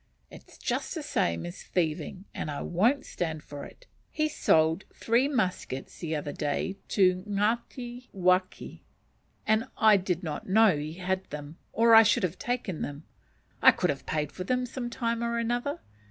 It's just the same as thieving, and I won't stand it. He sold three muskets the other day to the Ngatiwaki, and I did not know he had them, or I should have taken them. I could have paid for them some time or another.